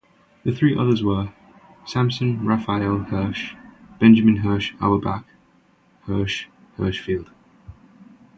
The three others were: Samson Raphael Hirsch, Benjamin Hirsch Auerbach, Hirsch Hirschfeld.